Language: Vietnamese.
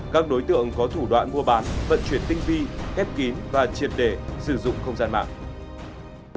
các đối tượng có thủ đoạn mua bán vận chuyển tinh vi ép kín và triệt để sử dụng không gian mạng